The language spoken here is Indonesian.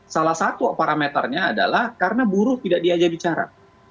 salah satu parameternya adalah karena buruh tidak diajak bicara